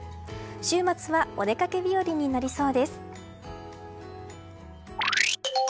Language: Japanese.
週末はお出かけ日和になりそうです。